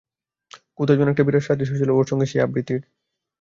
কোথাও যেন একটা বিরাট সাদৃশ্য ছিল ওর সঙ্গে সেই আবৃত্তির।